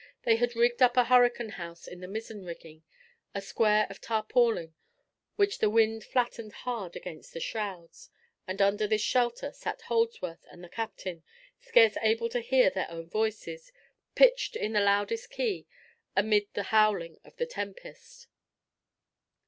They had rigged up a hurricane house in the mizzen rigging—a square of tarpaulin, which the wind flattened hard against the shrouds—and under this shelter sat Holdsworth and the captain, scarce able to hear their own voices, pitched in the loudest key, amid the howling of the tempest.